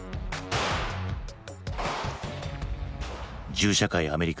銃社会アメリカ。